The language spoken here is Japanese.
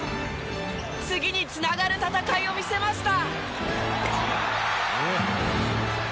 次につながる戦いを見せました。